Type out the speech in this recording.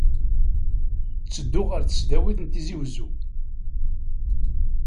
Ttedduɣ ɣer Tesdawit n Tizi Wezzu.